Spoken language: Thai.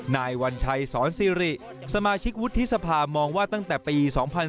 นายวัญชัยสอนซิริสมาชิกวุฒิสภามองว่าตั้งแต่ปี๒๔